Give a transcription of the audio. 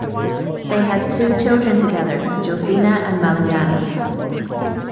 They had two children together: Josina and Malengani.